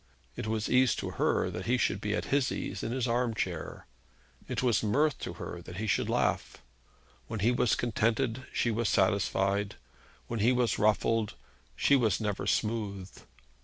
It was ease to her, that he should be at his ease in his arm chair. It was mirth to her, that he should laugh. When he was contented she was satisfied. When he was ruffled she was never smooth.